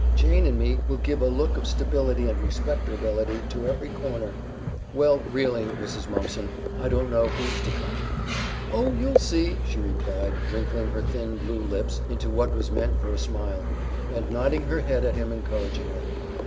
Jane and me will give a look of stability and respecterbility to every comer." "Well, really, Mrs. Mumpson, I don't know who's to come." "Oh, you'll see!" she replied, wrinkling her thin, blue lips into what was meant for a smile, and nodding her head at him encouragingly.